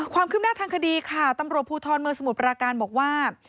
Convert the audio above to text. ความคืบหน้าทางคดีค่ะตำรวจภูทรเมืองสมุทรปราการบอกว่า